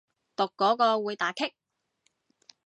讀嗰個會打棘